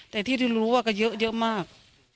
แต่ที่รู้ว่าก็เยอะมาก